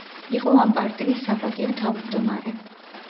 იყო ამ პარტიის საპატიო თავმჯდომარე.